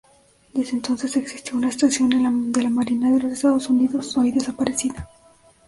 Desde entonces existió una estación de la Marina de los Estados Unidos, hoy desaparecida.